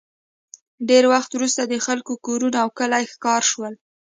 ډېر وخت وروسته د خلکو کورونه او کلي ښکاره شول